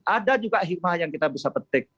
ada juga hikmah yang kita bisa petik